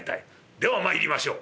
ではまいりましょう。